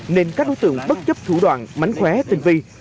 nên các đối tượng bất chấp thủ đoạn mánh khóe tinh vi